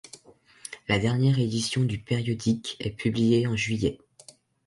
La dernière édition du périodique est publiée en juillet.